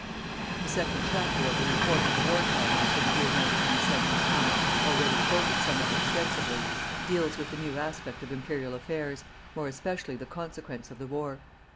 The second chapter of the Report of the War Cabinet for the year 1917 already quoted somewhat extensively deals with the new aspect of Imperial Affairs more especially the consequence of the war.